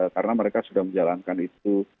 karena mereka sudah menjalankan itu